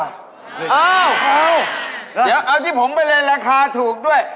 อ้าวเดี๋ยวเอาที่ผมไปเลยราคาถูกด้วย